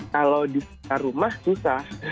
kalau di rumah susah